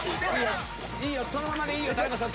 そのままでいいよ田中さん